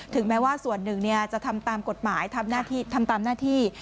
แม้ว่าส่วนหนึ่งจะทำตามกฎหมายทำตามหน้าที่